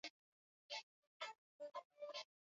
mwa Asia Katika Amerika ya Latini na Karabia mpango wa eneo wa